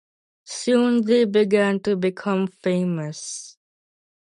Soon they began to become famous.